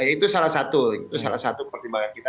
itu salah satu pertimbangan kita